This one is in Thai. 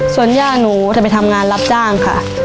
ส่วนย่าหนูจะไปทำงานรับจ้างค่ะ